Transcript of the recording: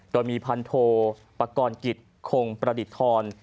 โดยมีพันโทปกรณ์กิจคงประดิษฐร